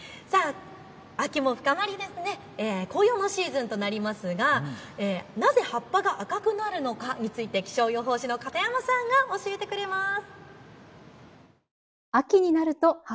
秋も深まり紅葉のシーズンとなりますがなぜ葉っぱが赤くなるのかについて気象予報士の片山さんが教えてくれました。